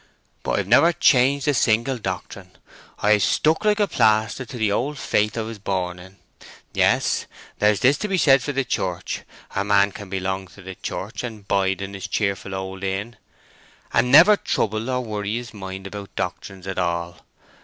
"But I've never changed a single doctrine: I've stuck like a plaster to the old faith I was born in. Yes; there's this to be said for the Church, a man can belong to the Church and bide in his cheerful old inn, and never trouble or worry his mind about doctrines at all.